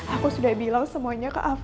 aku sudah bilang semuanya ke aku